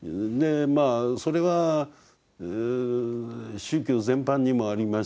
それは宗教全般にもあります